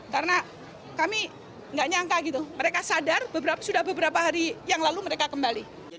karena kami nggak nyangka gitu mereka sadar sudah beberapa hari yang lalu mereka kembali